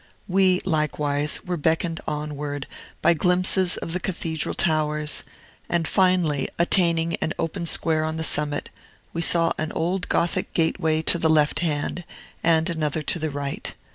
We, likewise, were beckoned onward by glimpses of the Cathedral towers, and, finally, attaining an open square on the summit, we saw an old Gothic gateway to the left hand, and another to the right.